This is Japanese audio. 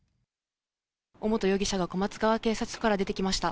尾本容疑者が小松川警察署から出てきました。